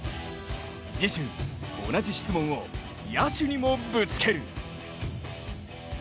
次週、同じ質問を野手にもぶつける。